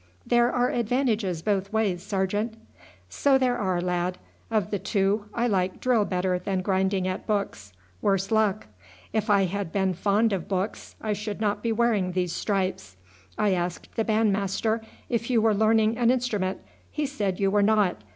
"There are advantages both ways, sergeant." "So there are, lad. Of the two I like drill better than grinding at books, worse luck; if I had been fond of books I should not be wearing these stripes. I asked the band master if you were learning an instrument. He said you were not.